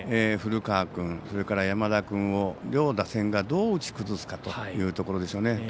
古川君、山田君を両打線がどう打ち崩すかというところでしょうね。